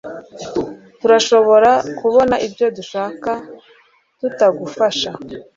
turashobora kubona ibyo dushaka tutagufasha